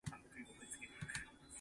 崎